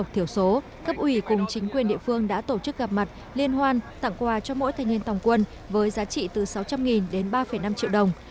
thành niên đã tổ chức gặp mặt liên hoan tặng quà cho mỗi thanh niên tòng quân với giá trị từ sáu trăm linh đến ba năm triệu đồng